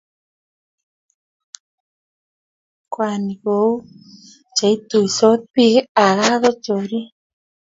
kwoni kou cheituisot biik ako kaa chorik.